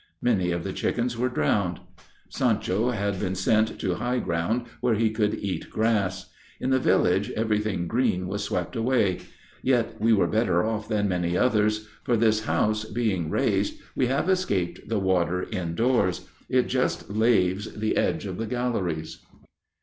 Many of the chickens were drowned. Sancho had been sent to high ground, where he could get grass. In the village everything green was swept away. Yet we were better off than many others; for this house, being raised, we have escaped the water indoors. It just laves the edge of the galleries.